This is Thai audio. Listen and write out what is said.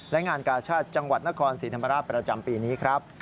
และงานกาชาติจังหวัดนครศรีธรรมราชประจำปีนี้ครับ